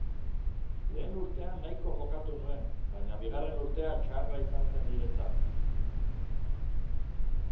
Lehen urtean nahiko jokatu nuen, baina bigarren urtea txarra izan zen niretzat.